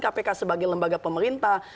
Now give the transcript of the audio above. kpk sebagai lembaga pemerintah